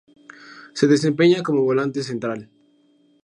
Se desempeña como volante central.